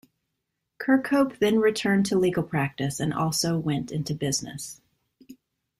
Kirkhope then returned to legal practice and also went into business.